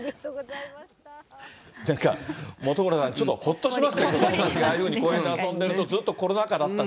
なんか本村さん、ちょっとほっとしますね、子どもたちがああいうふうに公園で遊んでいると、ずっとコロナ禍だったし。